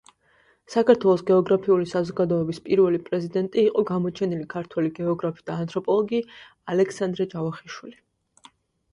საქართველოს გეოგრაფიული საზოგადოების პირველი პრეზიდენტი იყო გამოჩენილი ქართველი გეოგრაფი და ანთროპოლოგი ალექსანდრე ჯავახიშვილი.